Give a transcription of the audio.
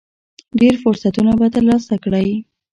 ډېر فرصتونه به ترلاسه کړئ .